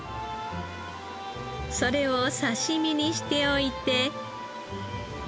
それを刺し身にしておいて。